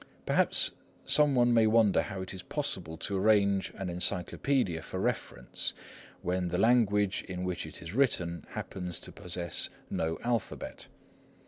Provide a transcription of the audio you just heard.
Perhaps some one may wonder how it is possible to arrange an encyclopædia for reference when the language in which it is written happens to possess no alphabet.